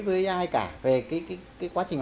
với ai cả về cái quá trình